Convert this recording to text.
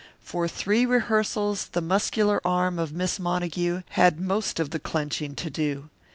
For three rehearsals the muscular arm of Miss Montague had most of the clenching to do.